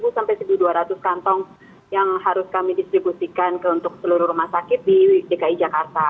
satu sampai satu dua ratus kantong yang harus kami distribusikan ke untuk seluruh rumah sakit di dki jakarta